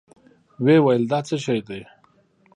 ويې ويل دا څه شې دي؟